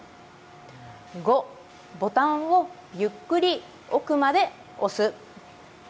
５、ボタンをゆっくり奥まで押す。